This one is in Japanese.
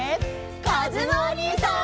かずむおにいさん！